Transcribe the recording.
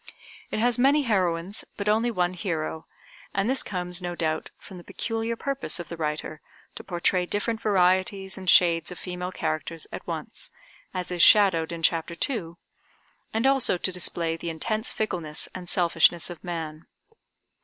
It has many heroines, but only one hero, and this comes no doubt from the peculiar purpose of the writer to portray different varieties and shades of female characters at once, as is shadowed in Chapter II, and also to display the intense fickleness and selfishness of man.